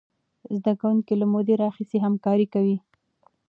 زده کوونکي له مودې راهیسې همکاري کوي.